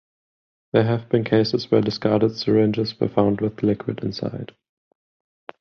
There have been cases where discarded syringes were found with liquid inside.